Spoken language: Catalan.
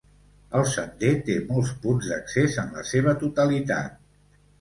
El sender té molts punts d'accés en la seva totalitat.